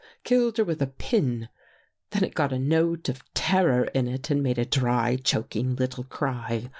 Killed her with a pin.' Then it got a note of terror in it and made a dry, choking little cry.